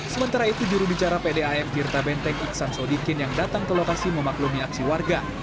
sementara itu jurubicara pdam tirta benteng iksan sodikin yang datang ke lokasi memaklumi aksi warga